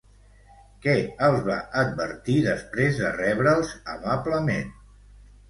Què els va advertir després de rebre'ls amablement?